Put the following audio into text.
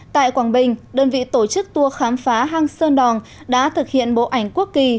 tại quảng bình đơn vị tổ chức tour khám phá hang sơn đòn đã thực hiện bộ ảnh quốc kỳ